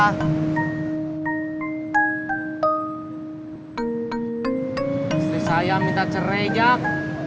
istri saya minta cerai jack